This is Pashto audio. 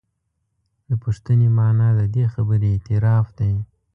د پوښتنې معنا د دې خبرې اعتراف دی.